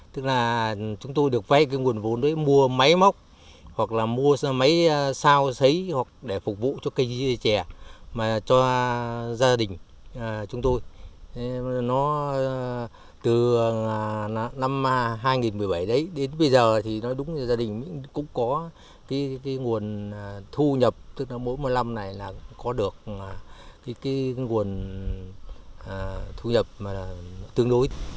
gia đình cũng có nguồn thu nhập mỗi năm này có được nguồn thu nhập tương đối